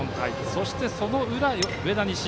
そしてその裏、上田西。